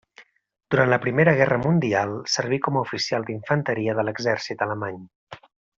Durant la Primera Guerra Mundial serví com a oficial d'infanteria de l'exèrcit alemany.